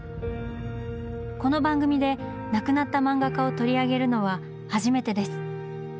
この番組で亡くなった漫画家を取り上げるのは初めてです。